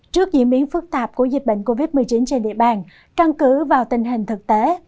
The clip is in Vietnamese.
trước diễn biến phức tạp của dịch bệnh covid một mươi chín trên địa bàn căn cứ vào tình hình thực tế